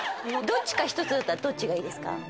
どっちか１つだったらどっちがいいですか？